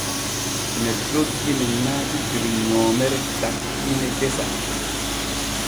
Ne doggi ne naati der nyoomere takkiine gesa.